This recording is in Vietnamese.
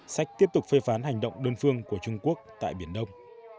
sách tiếp tục phê phán hành động đơn phương của trung quốc tại biển đông